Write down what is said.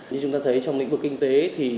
như chúng ta thấy trong lĩnh vực kinh tế